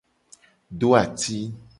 Do ati.